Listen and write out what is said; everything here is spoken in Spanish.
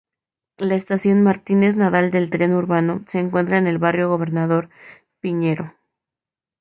La estación Martínez Nadal del Tren Urbano se encuentra en el barrio Gobernador Piñero.